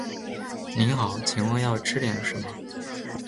您好，请问要吃点什么？